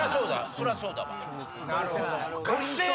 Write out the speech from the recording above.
そりゃそうだ！